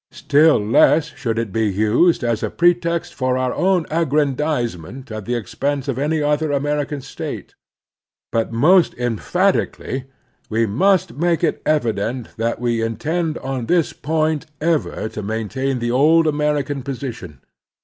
Still less should it be used as a pretext for our own aggrandizement at the expense of any other American state. But, most National Duties 275 emphatically, we miist make it evident that we intend on this point ever to maintain the old American position.